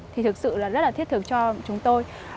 thì thực sự là rất là thiết thưởng cho chúng tôi